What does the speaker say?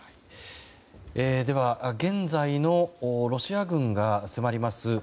現在のロシア軍が迫ります